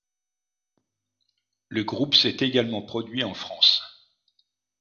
Le groupe s'est également produit en France.